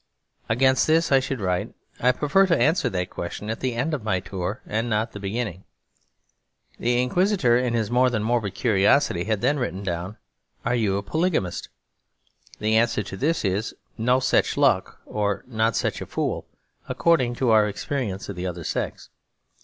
Against this I should write, 'I prefer to answer that question at the end of my tour and not the beginning.' The inquisitor, in his more than morbid curiosity, had then written down, 'Are you a polygamist?' The answer to this is, 'No such luck' or 'Not such a fool,' according to our experience of the other sex.